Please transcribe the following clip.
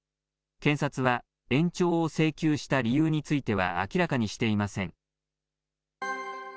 検察は延長を請求した理由については明らかにしていません。